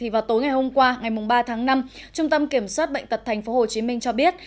vào tối ngày hôm qua ngày ba tháng năm trung tâm kiểm soát bệnh tật tp hcm cho biết